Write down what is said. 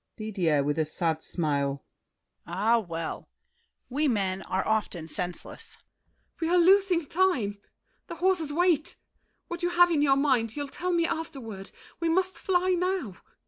DIDIER (with a sad smile). Ah, well! We men Are often senseless. MARION. We are losing time. The horses wait. What you have in your mind, You'll tell me afterward. We must fly now.